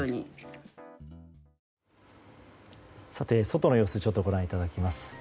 外の様子をご覧いただきます。